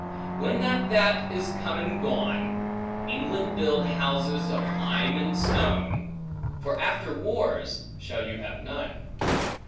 When that that is come and gone, England build houses of lime and stone, For after wars shall you have none.